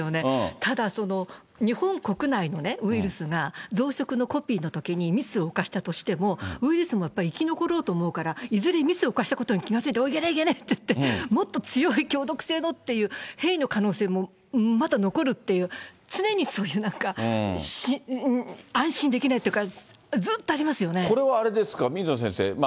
ただ、日本国内のウイルスが増殖のコピーのときにミスを犯したとしても、ウイルスもやっぱり生き残ろうとするから、いずれ、ミスを犯したことに気が付いて、いけねぇ、いけねぇって言って、もっと強い強毒性のって、変異の可能性もまだ残るっていう、常にそういうなんか、安心できないっていうか、これはあれですか、水野先生。